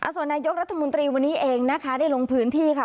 ส่วนนายกรัฐมนตรีวันนี้เองนะคะได้ลงพื้นที่ค่ะ